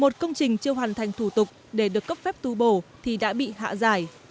một công trình chưa hoàn thành thủ tục để được cấp phép tu bổ thì đã bị hạ giải